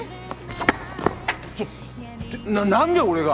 ちょっと何で俺が！？